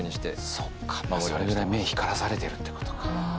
それぐらい目光らされてるってことか。